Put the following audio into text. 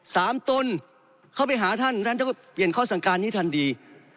ตนเข้าไปหาท่านท่านต้องเปลี่ยนข้อสั่งการนี้ทันที